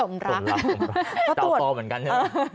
ตอบตอบเหมือนกันใช่ไหม